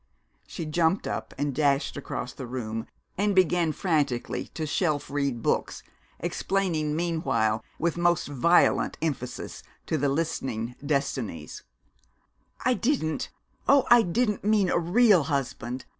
She jumped up and dashed across the room and began frantically to shelf read books, explaining meanwhile with most violent emphasis to the listening Destinies: "I didn't oh, I didn't mean a real husband.